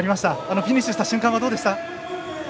フィニッシュした瞬間はどうでしたか。